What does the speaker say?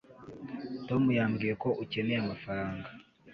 tom yambwiye ko ukeneye amafaranga